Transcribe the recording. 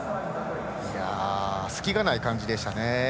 隙がない感じでしたね。